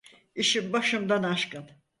İşim başımdan aşkın.